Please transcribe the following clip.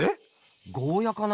ゴーヤーかな？